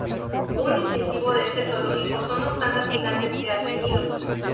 Un distintivo de este zoológico son los pandas gigantes que ha tenido.